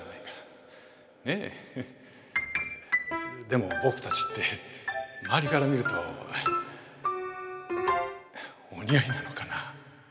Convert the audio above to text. でも僕たちって周りから見るとお似合いなのかな。